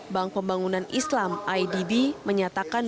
bank pembangunan islam idb menyatakan